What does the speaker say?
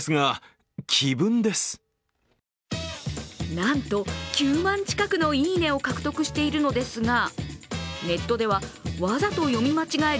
なんと９万近くの「いいね」を獲得しているのですが、ネットではわざと読み間違える